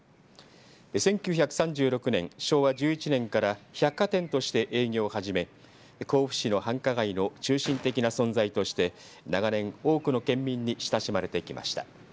１９３６年、昭和１１年から百貨店として営業を始め甲府市の繁華街の中心的な存在として長年、多くの県民に親しまれてきました。